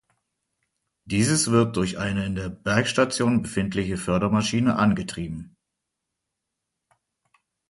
Dieses wird durch eine in der Bergstation befindliche Fördermaschine angetrieben.